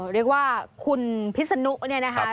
เรียกว่าคุณพิษนุเนี่ยนะคะ